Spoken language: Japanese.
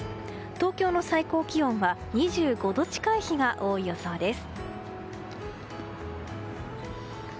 東京の最高気温は２５度近い日が多い予想です。